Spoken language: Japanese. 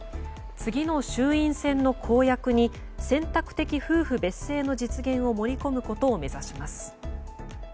次の衆院選の公約に選択的夫婦別姓の実現を盛り込むことを目指します。